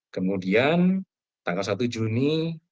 kemudian tanggal satu juni